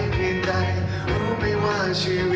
อีกเพลงหนึ่งครับนี้ให้สนสารเฉพาะเลย